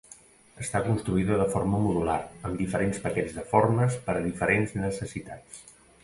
Està construïda de forma modular, amb diferents paquets de formes per a diferents necessitats.